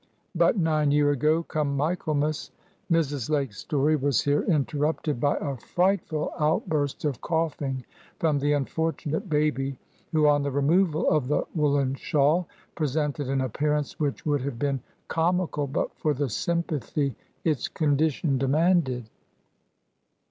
But nine year ago come Michaelmas"— Mrs. Lake's story was here interrupted by a frightful outburst of coughing from the unfortunate baby, who on the removal of the woollen shawl presented an appearance which would have been comical but for the sympathy its condition demanded.